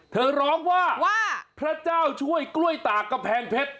เธอร้องว่าว่าพระเจ้าช่วยกล้วยตากกำแพงเพชร